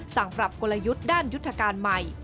สั่งปรับกลยุทธ์ด้านยุทธการใหม่